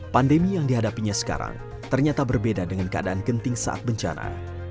pandemi yang dihadapinya sekarang ternyata berbeda dengan keadaan genting saat bencana